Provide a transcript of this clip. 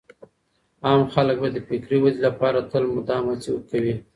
عام خلګ به د فکري ودې لپاره تل مدام هڅې کوي.